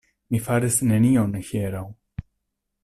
Mi faris nenion hieraŭ.